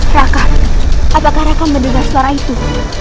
raka apakah raka mendengar suara itu